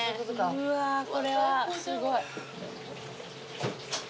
うわこれはすごい。